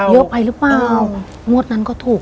เยอะไปหรือเปล่างวดนั้นก็ถูก